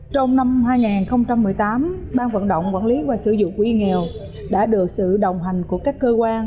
trong năm hai nghìn một mươi tám ban vận động quản lý và sử dụng quỹ nghèo đã được sự đồng hành của các cơ quan